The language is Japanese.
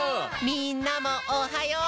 みんなもおはよう！